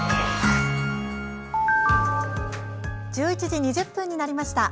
１１時２０分になりました。